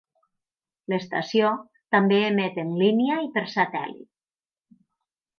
L'estació també emet en línia i per satèl·lit.